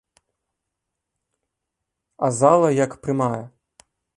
А зала як прымае!